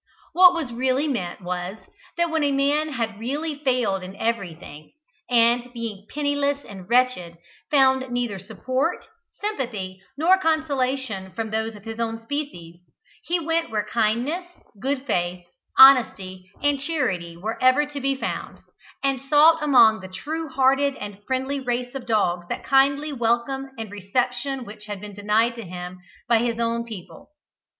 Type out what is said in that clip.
What was really meant was, that, when a man had really failed in everything, and, being penniless and wretched, found neither support, sympathy, nor consolation from those of his own species, he went where kindness, good faith, honesty, and charity were ever to be found, and sought among the true hearted and friendly race of dogs that kindly welcome and reception which had been denied to him by his own people.